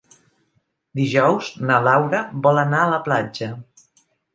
Dijous na Laura vol anar a la platja.